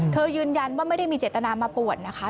ยืนยันว่าไม่ได้มีเจตนามาป่วนนะคะ